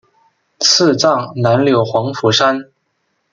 赐葬南柳黄府山。